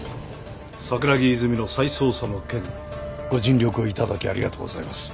桜木泉の再捜査の件ご尽力をいただきありがとうございます。